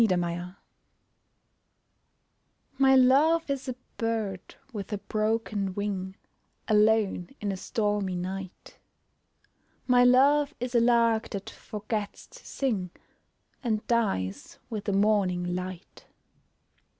MY LOVE My love is a bird with a broken wing, Alone in a stormy night; My love is a lark that forgets to sing And dies with the morning light.